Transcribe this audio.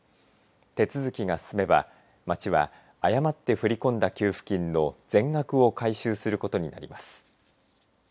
手続きが進めば町は誤って振り込んだ給付金の全額を回収することになります。